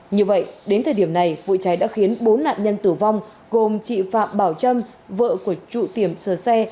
như vậy đến thời điểm này vụ cháy đã khiến bốn nạn nhân tử vong gồm chị phạm bảo trâm vợ của trụ tiệm sửa xe